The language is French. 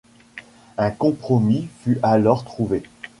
Un compromis fut alors trouvé.